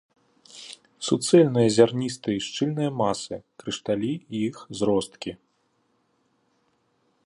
Суцэльныя зярністыя і шчыльныя масы, крышталі і іх зросткі.